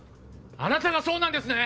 あなたがそうなんですね！